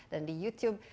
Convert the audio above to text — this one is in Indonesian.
dan di youtube